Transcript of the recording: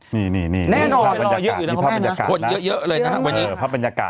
นี่นี่ภาพบรรยากาศพอเป็นเวลาเยอะเลยนะคุณแม่นะ